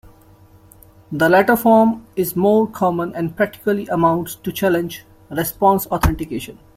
The latter form is more common and practically amounts to challenge-response authentication.